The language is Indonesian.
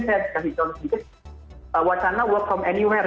saya kasih contoh sedikit wacana work from anywhere